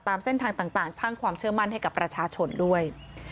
ตามเส้นทางต่างสร้างความเชื่อมั่นให้กับประชาชนด้วย